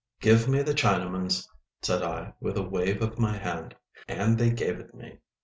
"Give me the Chinaman's," said I with a wave of my hand. And they gave it me.